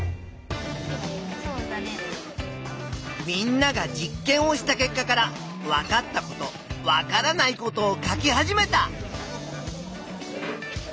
みんなが実験をした結果からわかったことわからないことを書き始めた。